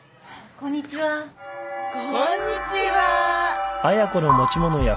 こんにちは。